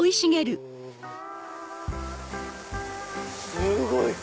すごい！